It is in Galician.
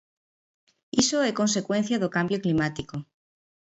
Iso é consecuencia do cambio climático.